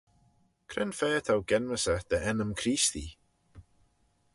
Cre'n fa t'ou genmys eh dty ennym Creestee?